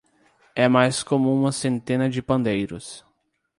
É mais como uma centena de pandeiros.